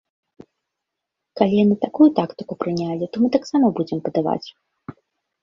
Калі яны такую тактыку прынялі, то мы таксама будзем падаваць.